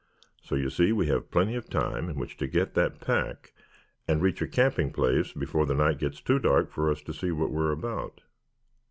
So you see we have plenty of time in which to get that pack and reach a camping place before the night gets too dark for us to see what we are about."